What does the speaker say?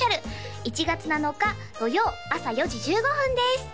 １月７日土曜朝４時１５分です